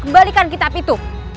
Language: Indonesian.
kembalikan kitab itu